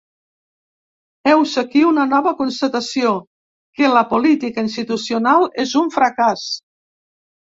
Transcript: Heus aquí una nova constatació que la política institucional és un fracàs.